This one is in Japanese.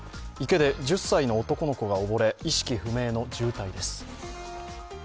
池で１０歳の男の子が溺れ、意識不明の重体です。